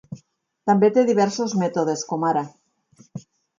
També té diversos mètodes, com ara